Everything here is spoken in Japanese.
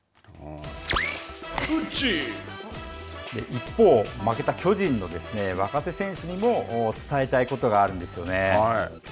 一方、負けた巨人の若手選手にも伝えたいことがあるんですよね。